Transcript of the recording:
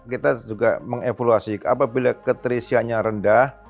kita juga mengevaluasi apabila keterisiannya rendah